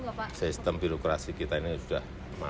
nah sistem bilokrasi kita ini sudah mapan